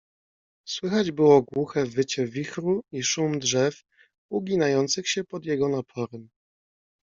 "Słychać było głuche wycie wichru i szum drzew, uginających się pod jego naporem."